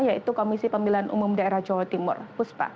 yaitu komisi pemilihan umum daerah jawa timur puspa